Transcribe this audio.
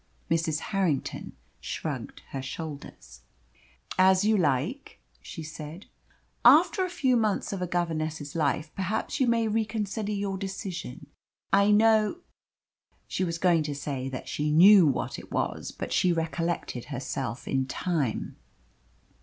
Mrs. Harrington shrugged her shoulders. "As you like," she said. "After a few months of a governess's life perhaps you may reconsider your decision. I know " She was going to say that she knew what it was, but she recollected herself in time.